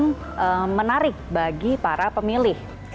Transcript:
ini juga menarik bagi para pemilih